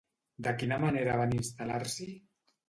De quina manera van instal·lar-s'hi?